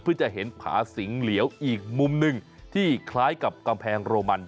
เพื่อจะเห็นผาสิงเหลียวอีกมุมหนึ่งที่คล้ายกับกำแพงโรมัน